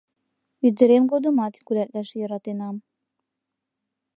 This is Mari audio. Ӱдырем годымат гулятлаш йӧратенам.